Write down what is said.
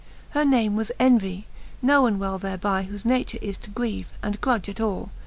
XXXL Her name was Envie^ knowcn well thereby j Whofe nature is to grieve, and grudge at all.